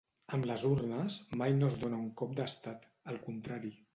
Amb les urnes mai no es dóna un cop d’estat; al contrari.